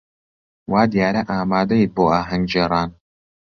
وا دیارە ئامادەیت بۆ ئاهەنگگێڕان.